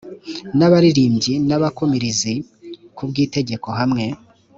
n abaririmbyi n abakumirizi ku bw itegeko hamwe